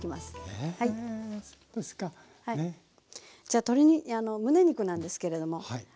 じゃあむね肉なんですけれども。